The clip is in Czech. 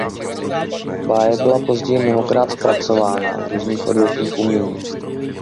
Báje byla později mnohokrát zpracována v různých odvětvích umění.